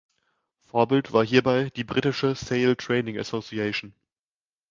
Vorbild war hierbei die britische Sail Training Association.